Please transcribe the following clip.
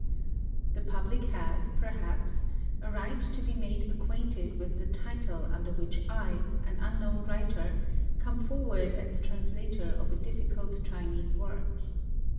The public has, perhaps, a right to be made acquainted with the title under which I, an unknown writer, come forward as the translator of a difficult Chinese work.